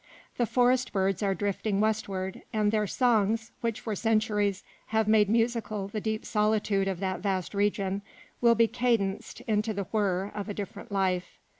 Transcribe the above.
The forest birds are drifting westward, and their songs, which for centuries have made musical the deep solitude of that vast region, will be cadenced into the whirr of a different life.